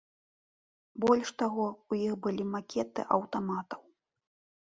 Больш таго, у іх былі макеты аўтаматаў.